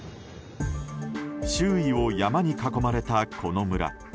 周囲を山に囲まれたこの村。